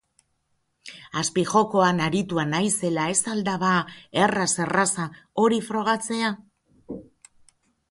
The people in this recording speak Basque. Azpijokoan aritua naizela... ez al da, ba, erraz-erraza hori frogatzea?